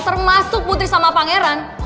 termasuk putri sama pangeran